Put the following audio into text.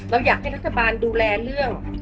อยากให้รัฐบาลดูแลเรื่อง